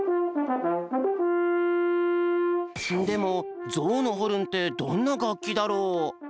でも「ゾウのホルン」ってどんながっきだろう？